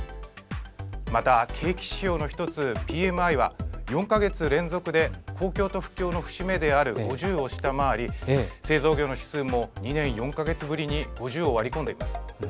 また、景気指標の１つＰＭＩは４か月連続で好況と不況の節目である５０を下回り製造業の指数も２年４か月ぶりに５０を割り込んでいます。